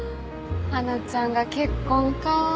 華ちゃんが結婚か。